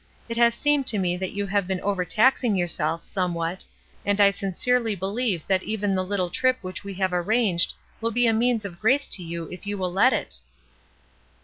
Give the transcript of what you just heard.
It has seemed to me that you have been overtaxing yourself, somewhat, and I sincerely believe that even the little trip which we have arranged will be a means of grace to you if you will let it."